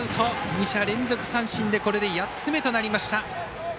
２者連続三振でこれで８つ目となりました。